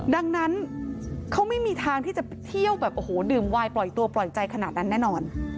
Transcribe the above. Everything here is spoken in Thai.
ดังนั้นเขาไม่มีทางที่จะเที่ยวแบบโอ้โหดื่มวายปล่อยตัวปล่อยใจขนาดนั้นแน่นอน